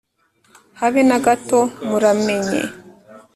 habe na gato. muramenye